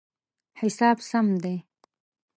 حساب سم دی